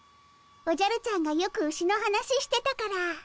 おじゃるちゃんがよくウシの話してたから。